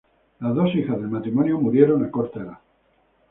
Las dos hijas del matrimonio murieron a corta edad.